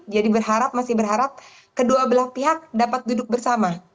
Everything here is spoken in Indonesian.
jadi berharap masih berharap kedua belah pihak dapat duduk bersama